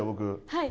はい。